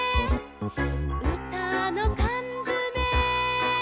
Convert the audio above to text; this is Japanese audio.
「うたのかんづめ」